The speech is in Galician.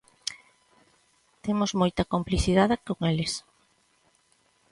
Temos moita complicidade con eles.